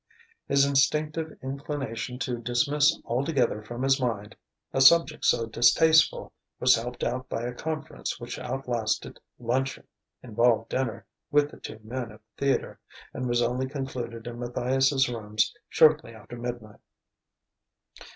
His instinctive inclination to dismiss altogether from his mind a subject so distasteful was helped out by a conference which outlasted luncheon, involved dinner with the two men of the theatre, and was only concluded in Matthias's rooms shortly after midnight.